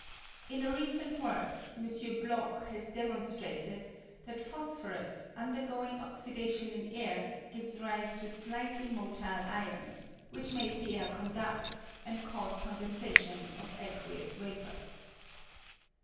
In a recent work, M. Bloch has demonstrated that phosphorus, undergoing oxidation in air, gives rise to slightly motile ions, which make the air condud, and cause condensation of aqueous vapour.